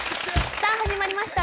さあ始まりました